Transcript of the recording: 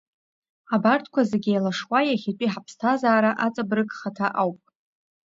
Абарҭқәа зегьы еилашуа иахьатәи ҳаԥсҭазаара аҵабыргхаҭа ауп.